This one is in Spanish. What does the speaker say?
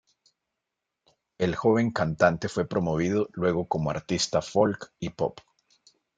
El joven cantante fue promovido luego como artista folk y pop.